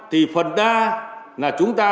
thì phần đa là chúng ta